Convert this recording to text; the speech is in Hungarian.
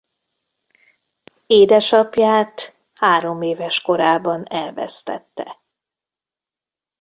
Édesapját hároméves korában elvesztette.